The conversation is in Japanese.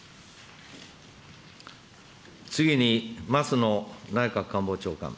次に松野内閣官房長官。